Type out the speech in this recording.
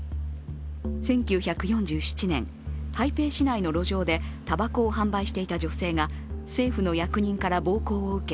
１９４７年、台北市内の路上でたばこを販売していた女性が政府の役人から暴行を受け